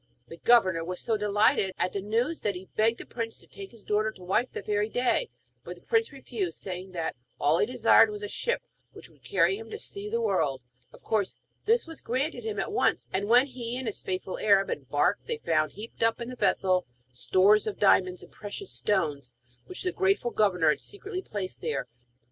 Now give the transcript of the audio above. The governor was so delighted at the news that he begged the prince to take his daughter to wife that very day; but the prince refused, saying that all he desired was a ship which would carry him to see the world. Of course this was granted him at once, and when he and his faithful Arab embarked they found, heaped up in the vessel, stores of diamonds and precious stones, which the grateful governor had secretly placed there.